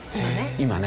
今ね。